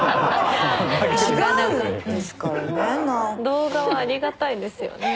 動画はありがたいですよね